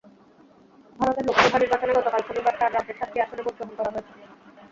ভারতের লোকসভা নির্বাচনে গতকাল শনিবার চার রাজ্যের সাতটি আসনে ভোট গ্রহণ করা হয়েছে।